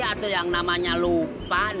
atau yang namanya lupa